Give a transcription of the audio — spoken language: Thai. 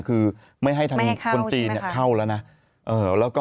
คือไม่ให้ทางคนนี้ผู้ขนาดคือข้าวแล้วนะ